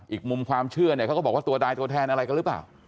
อีกมุมความเชื่อเนี่ยเขาก็บอกว่าตัวดายตัวแทนอะไรกันหรือเปล่า